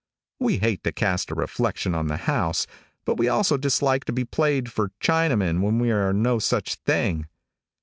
We hate to cast a reflection on the house, but we also dislike to be played for Chinamen when we are no such thing.